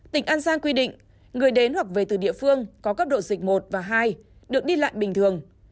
tỉnh an giang quy định người đến hoặc về từ địa phương có cấp độ dịch một và hai được đi lại bình thường